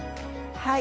はい。